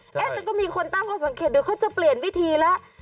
แต่ก็มีคนตั้งข้อสังเกตเดี๋ยวเขาจะเปลี่ยนวิธีแล้ว